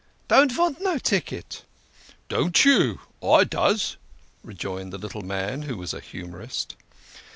" Don't vant no ticket." " Don't you ? I does," rejoined the little man, who was a humorist.